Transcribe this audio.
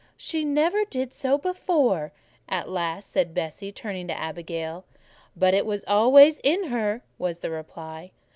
"She never did so before," at last said Bessie, turning to the Abigail. "But it was always in her," was the reply.